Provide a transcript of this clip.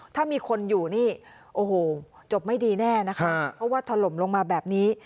ถ้ามีคนอยู่นี่โอ้โหจบไม่ดีแน่นะคะเพราะว่าถล่มลงมาแบบนี้